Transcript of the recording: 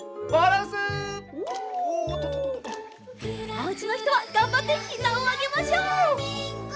おうちのひとはがんばってひざをあげましょう！